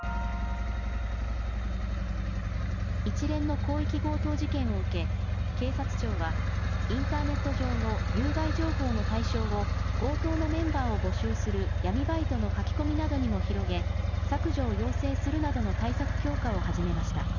一連の広域強盗事件を受け、警察庁は、インターネット上の有害情報の対象を、強盗のメンバーを募集する闇バイトの書き込みなどにも広げ、削除を要請するなどの対策強化を始めました。